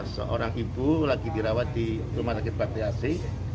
seorang ibu lagi dirawat di rumah sakit baktiasi